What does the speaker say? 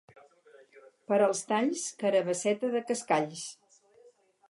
Per als talls, carabasseta de cascalls.